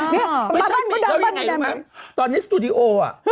ไม่ใช่แล้วยังไงรู้ไหมตอนนี้สตูดิโออ่ะ